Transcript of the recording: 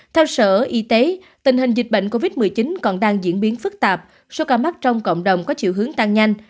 theo sở y tế tình hình dịch bệnh covid một mươi chín còn đang diễn biến phức tạp số ca mắc trong cộng đồng có chiều hướng tăng nhanh